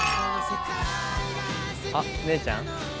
あっ姉ちゃん。